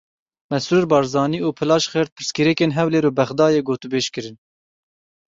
Mesrûr Barzanî û Plasschaert pirsgirêkên Hewlêr û Bexdayê gotûbêj kirin.